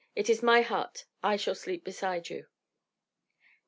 "It is my hut. I shall sleep beside you."